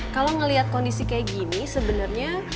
kalo ngeliat kondisi kayak gini sebenernya